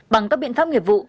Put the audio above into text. bằng các biện pháp nghiệp vụ